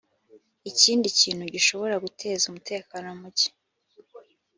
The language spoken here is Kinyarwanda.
ikindi kintu gishobora guteza umutekano muke